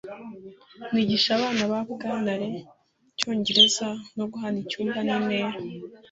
Nigisha abana ba Bwana Lee icyongereza muguhana icyumba ninama.